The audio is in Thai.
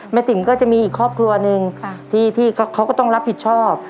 ติ๋มก็จะมีอีกครอบครัวหนึ่งที่เขาก็ต้องรับผิดชอบ